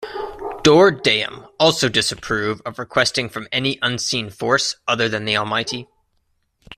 Dor Daim also disapprove of requesting from any unseen force other than the Almighty.